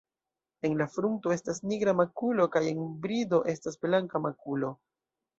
En la frunto estas nigra makulo kaj en brido estas blanka makulo.